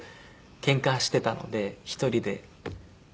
ケンカしていたので１人で。